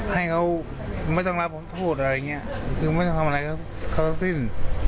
ให้เขาไม่ต้องรับโทษอะไรอย่างนี้คือไม่ต้องทำอะไรก็แสบสิ้น